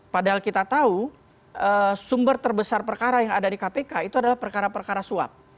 padahal kita tahu sumber terbesar perkara yang ada di kpk itu adalah perkara perkara suap